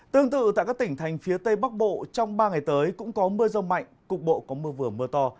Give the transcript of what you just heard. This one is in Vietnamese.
tương tự tại các tỉnh thành phía tây bắc bộ trong ba ngày tới cũng có mưa rông mạnh cục bộ có mưa vừa mưa to